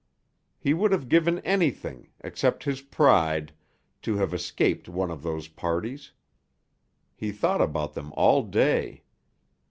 He would have given anything except his pride to have escaped one of those parties; he thought about them all day.